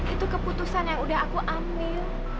itu keputusan yang udah aku ambil